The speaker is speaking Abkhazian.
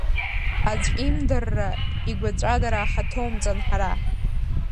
Аӡә имдырра, игәаҵәадара Ҳаҭоумҵан ҳара!